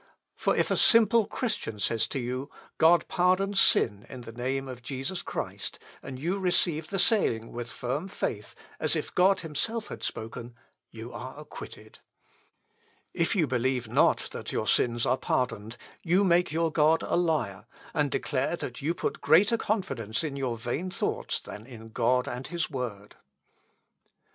For if a simple Christian says to you, 'God pardons sin in the name of Jesus Christ,' and you receive the saying with firm faith, as if God himself had spoken, you are acquitted. "Ob es schon ein Weib oder ein kind ware." (Ibid.) "If you believe not that your sins are pardoned, you make your God a liar, and declare that you put greater confidence in your vain thoughts than in God and his word.